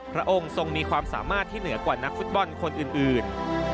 พระองค์ทรงมีความสามารถที่เหนือกว่านักฟุตบอลคนอื่น